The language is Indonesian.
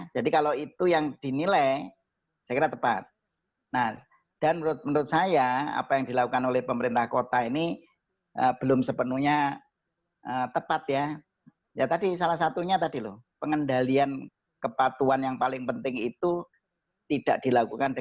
jadi salah satunya tadi loh pengendalian kepatuan yang paling penting itu